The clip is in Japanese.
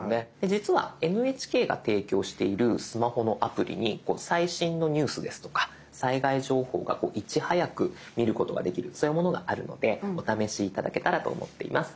実はＮＨＫが提供しているスマホのアプリに最新のニュースですとか災害情報がいち早く見ることができるそういうものがあるのでお試し頂けたらと思っています。